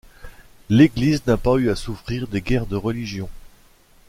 L'église n'a pas eu à souffrir des guerres de religion.